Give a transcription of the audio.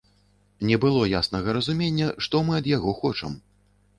Не было яснага разумення, што мы ад яго хочам.